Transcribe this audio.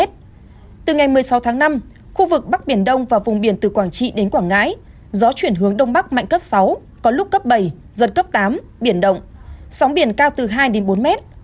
từ ngày một mươi sáu tháng năm khu vực bắc biển đông và vùng biển từ quảng trị đến quảng ngãi gió chuyển hướng đông bắc mạnh cấp sáu có lúc cấp bảy giật cấp tám biển động sóng biển cao từ hai đến bốn mét